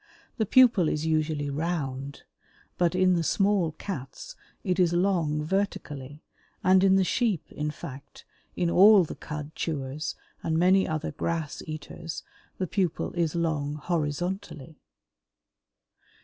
The pupil is usually round, but in the small Cats it is long vertically, and in the Sheep, in fact, in all the cud chewers and many other grass eaters, the pupil is long horizontally.